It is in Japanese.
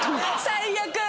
最悪！